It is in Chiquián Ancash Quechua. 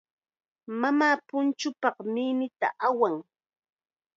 Mamaa punchuupaq minita awan.